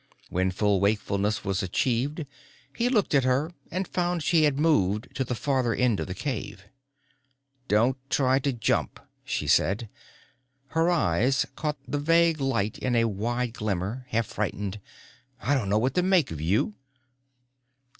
When full wakefulness was achieved he looked at her and found she had moved to the farther end of the cave. "Don't try to jump," she said. Her eyes caught the vague light in a wide glimmer, half frightened. "I don't know what to make of you."